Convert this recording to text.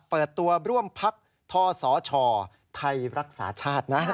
เปิดตัวร่วมพักท่อสอช่อไทยรักษาชาตินะครับ